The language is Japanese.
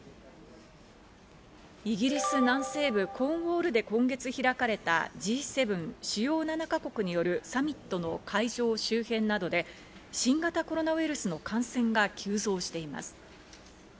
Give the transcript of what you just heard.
イギリス南西部コーンウォールで今月、開かれたＧ７＝主要７か国によるサミットの会場周辺などで新型コロナウイルスの感染が急増しています。